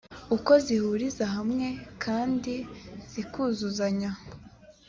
uko zihuriza hamwe kandi zikuzuzanya